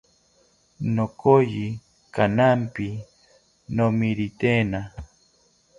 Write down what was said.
Nokoyi kamanpi nomiritena